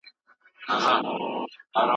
هغوی د مستو په خوړلو بوخت دي.